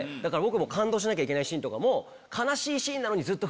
感動しなきゃいけないシーンとかも。